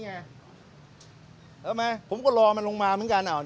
ผมไม่ไปทะเลาะในนี้ไงเหรอไหมผมก็รอมันลงมาเหมือนกันเอาสิ